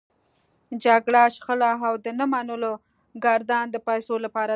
جګړه، شخړه او د نه منلو ګردان د پيسو لپاره دی.